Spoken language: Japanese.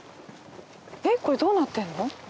えっこれどうなってるの？